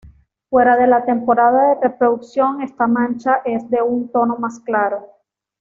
Fuera de la temporada de reproducción esta mancha es de un tono más claro.